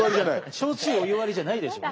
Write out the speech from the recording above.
焼酎お湯割りじゃないでしょ。